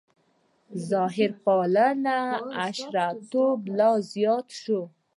ظاهرپالنه او حشویتوب لا زیات شو.